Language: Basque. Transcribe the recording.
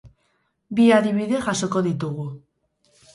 Bi adibide jasoko ditugu.